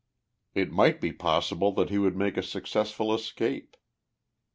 It might be possible that he would make a suc cessful escape.